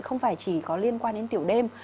không phải chỉ có liên quan đến tiểu đêm